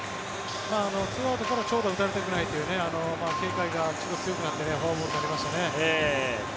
２アウトからちょうど打たれたくないという警戒が強くなってフォアボールになりましたね。